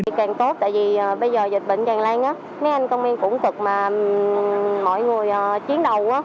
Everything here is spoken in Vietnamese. càng tốt tại vì bây giờ dịch bệnh tràn lan mấy anh công viên cũng cực mà mọi người chiến đầu